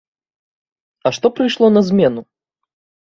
А што прыйшло на змену?